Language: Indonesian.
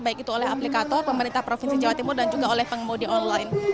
baik itu oleh aplikator pemerintah provinsi jawa timur dan juga oleh pengemudi online